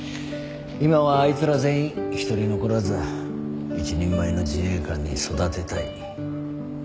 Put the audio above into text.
今はあいつら全員一人残らず一人前の自衛官に育てたい。